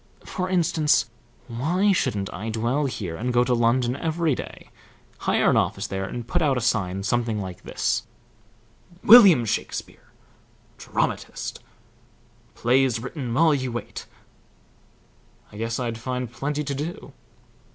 For instance, why shouldn't I dwell here and go to London every day, hire an office there, and put out a sign something like this: WILLIAM SHAKESPEARE DRAMATIST Plays written while you wait I guess I'd find plenty to do."